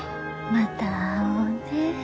また会おうね。